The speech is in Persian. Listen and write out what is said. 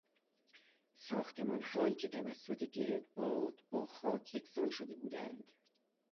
ساختمانهایی که توسط گردباد با خاک یکسان شده بودند